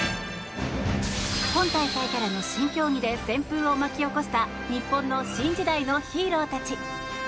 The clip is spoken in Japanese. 今大会からの新種目で旋風を巻き起こした日本の新時代のヒーローたち。